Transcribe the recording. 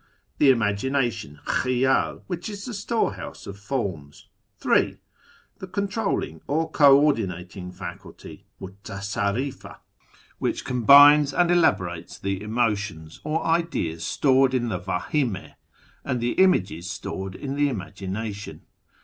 The Imagination (Kliiydl), which is the store house of forms. MYSTICISM, METAPHYSIC, AND MAGIC 145 3. The Controlling or Co ordinating Faculty {Mnia sarrifa), which combines and elaborates the emotions or ideas stored in the Vdhime, and the ^ p 1 images stored in the Imagination.